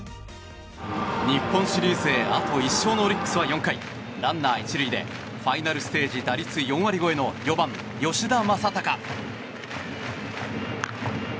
日本シリーズへあと１勝のオリックスは４回ランナー１塁でファイナルステージ打率４割超えの４番、吉田正尚。